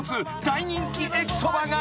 大人気駅そばが］